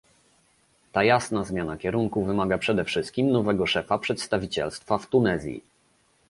Ta jasna zmiana kierunku wymaga przede wszystkim nowego szefa przedstawicielstwa w Tunezji